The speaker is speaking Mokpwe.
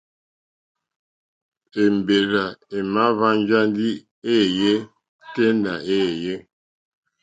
Èmbèrzà èmàáhwɛ̄ŋgɛ̄ ndí èéyɛ́ tɛ́ nà èéyé.